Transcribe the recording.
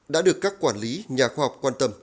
đã được các quản lý nhà khoa học quan tâm